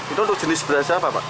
itu untuk jenis beras apa pak